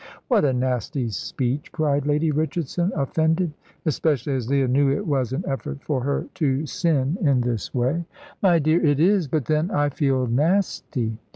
"What a nasty speech!" cried Lady Richardson, offended, especially as Leah knew it was an effort for her to sin in this way. "My dear, it is; but then, I feel nasty."